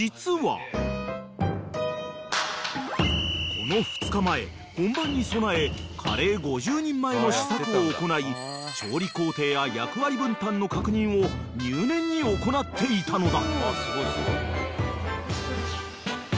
［この２日前本番に備えカレー５０人前の試作を行い調理工程や役割分担の確認を入念に行っていたのだ］